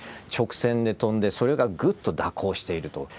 直線で飛んで、それがぐっと蛇行していると。